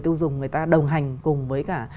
tiêu dùng người ta đồng hành cùng với cả